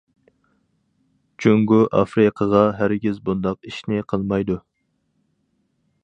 جۇڭگو ئافرىقىغا ھەرگىز بۇنداق ئىشنى قىلمايدۇ.